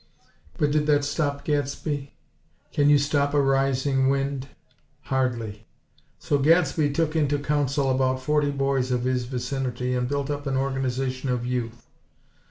But did that stop Gadsby? Can you stop a rising wind? Hardly! So Gadsby took into council about forty boys of his vicinity and built up an Organization of Youth.